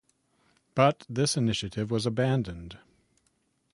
But this initiative was abandoned.